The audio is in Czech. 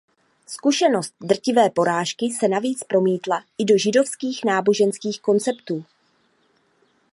Zkušenost drtivé porážky se navíc promítla i do židovských náboženských konceptů.